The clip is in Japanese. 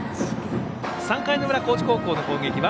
３回の裏、高知高校の攻撃。